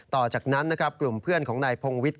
ต่อจากนั้นกลุ่มเพื่อนของนายพงศ์วิทย์